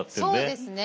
そうですね。